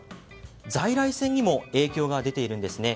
在来線にも影響が出ているんですね。